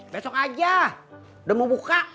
besok aja udah mau buka